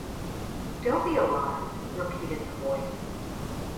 "Don't be alarmed," repeated the Voice.